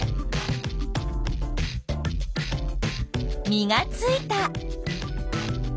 実がついた。